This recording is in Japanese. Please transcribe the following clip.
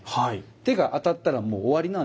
手が当たったらもう終わりなんです。